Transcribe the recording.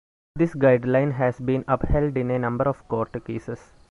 This guideline has been upheld in a number of court cases.